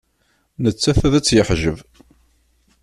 Nettat ad tt-yeḥjeb.